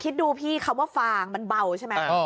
คิดดูพี่คำว่าฟางมันเบาใช่ไหม